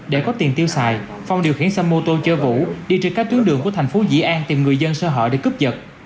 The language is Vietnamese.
để có tiền tiêu xài phong điều khiển xe mô tô chơi vũ đi trên các tuyến đường của tp vĩ an tìm người dân sơ họ để cướp dật